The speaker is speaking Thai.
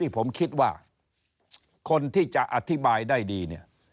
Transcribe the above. ผมคิดว่าคนที่จะอธิบายได้ดีเนี่ย